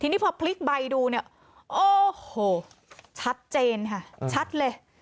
ทีนี้พอพลิกใบดูเนี่ยโอ้โหชัดเจนค่ะชัดเลย